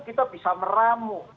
kita bisa meramu